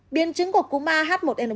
biên chứng của cúm ah một n một